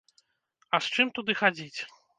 А з чым туды хадзіць?